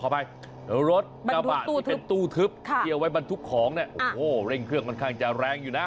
อภัยรถกระบะที่เป็นตู้ทึบที่เอาไว้บรรทุกของเนี่ยโอ้โหเร่งเครื่องค่อนข้างจะแรงอยู่นะ